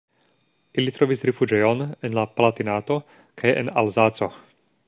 Ili trovis rifuĝejon en la Palatinato kaj en Alzaco.